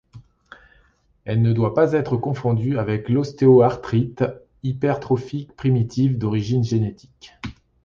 Elle ne doit pas être confondue avec l'ostéoarthrite hypertrophique primitive, d'origine génétique.